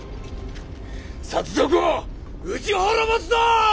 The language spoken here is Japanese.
薩賊を討ち滅ぼすぞ！